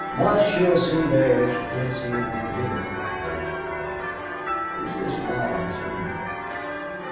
"Much she'll see there if she can't see anything here," growled Ralph. "Who is this Laurence anyway?"